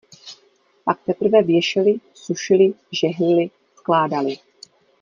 Pak teprve věšely, sušily, žehlily, skládaly.